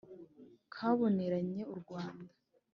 kaboneranye u rwanda